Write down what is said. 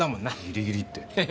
ギリギリって。